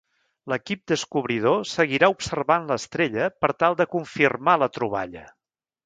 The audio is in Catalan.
L'equip descobridor seguirà observant l'estrella per tal de confirmar la troballa.